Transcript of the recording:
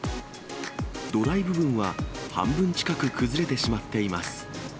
土台部分は半分近く崩れてしまっています。